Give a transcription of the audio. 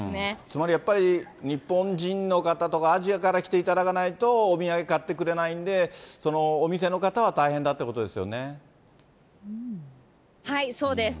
つまり、やっぱり日本人の方とか、アジアから来ていただかないと、お土産買ってくれないんで、お店そうです。